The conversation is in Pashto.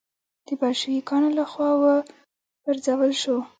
د بلشویکانو له خوا و پرځول شو.